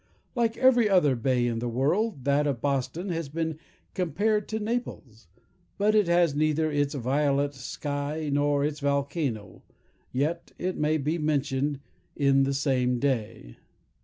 Like every other bay in the world, that of Boston has been compared to Naples; but it has neither its violet sky, nor its volcano, yet it may be mentioned in the same day.